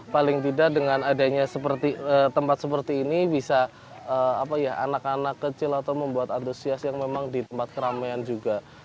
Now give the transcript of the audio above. paling tidak dengan adanya tempat seperti ini bisa anak anak kecil atau membuat antusias yang memang di tempat keramaian juga